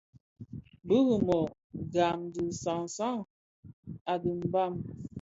Bi Rimoh (Biamo) et Gahn bi sansan a dimbag.